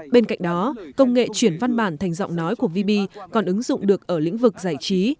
bên cạnh đó công nghệ chuyển văn bản thành giọng nói của vb còn ứng dụng được ở lĩnh vực giải trí